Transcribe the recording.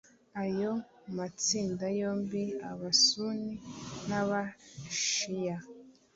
ayo matsinda yombi (abasuni n’abashiya)